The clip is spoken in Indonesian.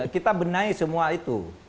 kita benahi semua itu